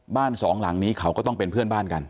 สองหลังนี้เขาก็ต้องเป็นเพื่อนบ้านกัน